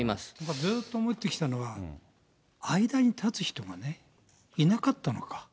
ずっと思ってきたのは、間に立つ人がね、いなかったのか。